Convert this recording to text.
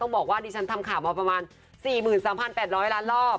บอกว่าดิฉันทำข่าวมาประมาณ๔๓๘๐๐ล้านรอบ